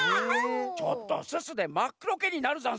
ちょっとすすでまっくろけになるざんすよ！